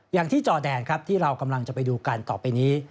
อย่างที่จอแดนที่เรากำลังจะไปดูกันต่อไปนี้